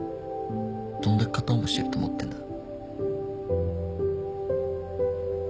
どんだけ片思いしてると思ってんだ。